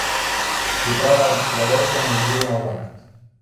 Si trova al Philadelphia Museum of Art.